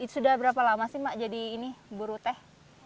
sudah berapa lama sih mak jadi ini buru teh